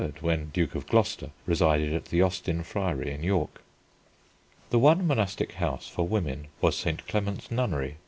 when Duke of Gloucester, resided at the Austin Friary in York. The one monastic house for women was St. Clement's Nunnery.